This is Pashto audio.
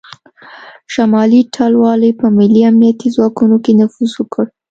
شمالي ټلوالې په ملي امنیتي ځواکونو کې نفوذ وکړ